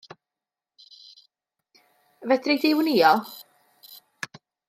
Fedri di wnïo?